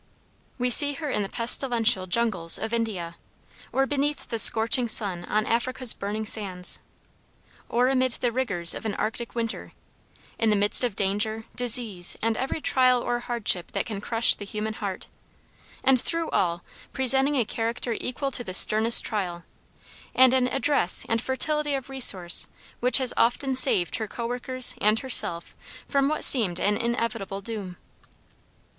We see her in the pestilential jungles of India, or beneath the scorching sun on Africa's burning sands, or amid the rigors of an Arctic winter, in the midst of danger, disease, and every trial or hardship that can crush the human heart; and through all presenting a character equal to the sternest trial, and an address and fertility of resource which has often saved her co workers and herself from what seemed an inevitable doom.